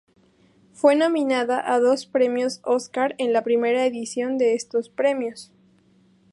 Fue nominada a dos premios Óscar en la primera edición de estos premios.